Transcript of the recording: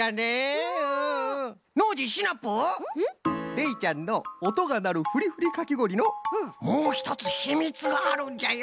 れいちゃんのおとがなるフリフリかきごおりのもうひとつひみつがあるんじゃよ。